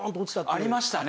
ありましたね！